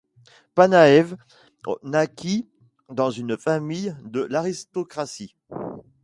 Panaïev naquit dans une famille de l'aristocratie.